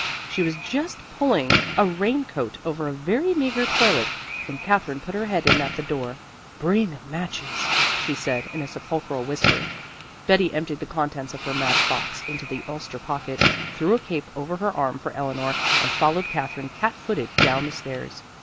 She was just pulling a rain coat over a very meagre toilet when Katherine put her head in at the door. "Bring matches," she said in a sepulchral whisper. Betty emptied the contents of her match box into her ulster pocket, threw a cape over her arm for Eleanor, and followed Katherine cat footed down the stairs.